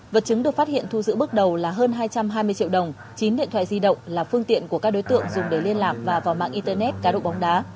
vật chứng được phát hiện thu giữ bước đầu là hơn hai trăm hai mươi triệu đồng chín điện thoại di động là phương tiện của các đối tượng dùng để liên lạc và vào mạng internet cá độ bóng đá